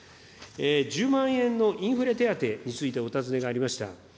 １０万円のインフレ手当についてお尋ねがありました。